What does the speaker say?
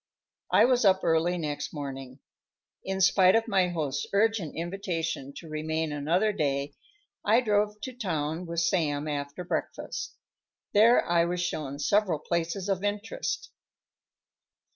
I was up early next morning. In spite of my host's urgent invitation to remain another day, I drove to town with Sam after breakfast. There I was shown several places of interest.